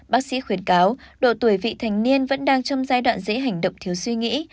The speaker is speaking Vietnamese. bác sĩ khuyến cáo độ tuổi vị thành niên vẫn đang trong giai đoạn dễ hành động thiếu suy nghĩ